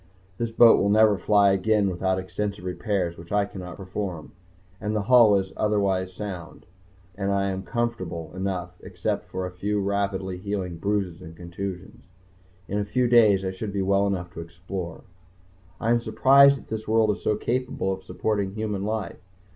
This boat will never fly again without extensive repairs which I cannot perform. But the hull is otherwise sound, and I am comfortable enough except for a few rapidly healing bruises and contusions. In a few days I should be well enough to explore.... I am surprised that this world is so capable of supporting human life.